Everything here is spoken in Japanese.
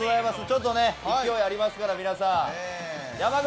ちょっと勢いありますから皆さん。